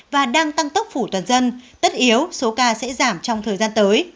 và đang tăng tốc phủ toàn dân tất yếu số ca sẽ giảm trong thời gian tới